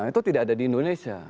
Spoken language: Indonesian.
itu tidak ada di indonesia